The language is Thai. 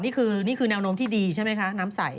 นี่คือนี่คือแนวโน้มที่ดีใช่ไหมคะน้ำใส